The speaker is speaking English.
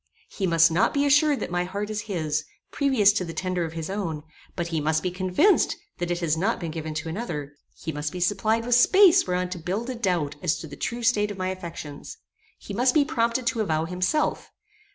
He must not be assured that my heart is his, previous to the tender of his own; but he must be convinced that it has not been given to another; he must be supplied with space whereon to build a doubt as to the true state of my affections; he must be prompted to avow himself.